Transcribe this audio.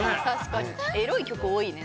エロい曲多いね。